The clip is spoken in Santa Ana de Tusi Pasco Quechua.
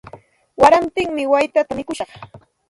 Warantimi waytata mikushaq.